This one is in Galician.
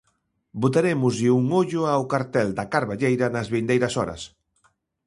Botarémoslle un ollo ao cartel da Carballeira nas vindeiras horas.